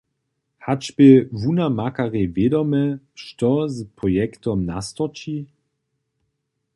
Hač bě wunamakarjej wědome, što z projektom nastorči?